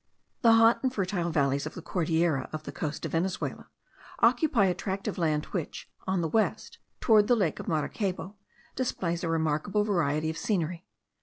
The hot and fertile valleys of the Cordillera of the coast of Venezuela occupy a tract of land which, on the west, towards the lake of Maracaybo, displays a remarkable variety of scenery.